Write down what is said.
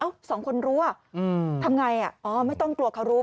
เอ้าสองคนรู้ทำไงไม่ต้องกลัวเขารู้